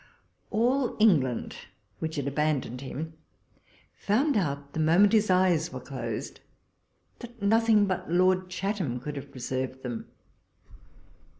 All Eng land, which had abandoned him, found out, the moment his eyes were closed, that nothing but Lord Chatham could have preserved them.